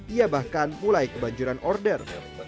ia bahkan mulai kebanjuran order